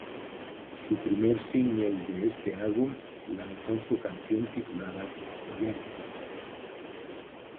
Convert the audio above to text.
Su primer single de este álbum, lanzó su canción titulada "Jacky".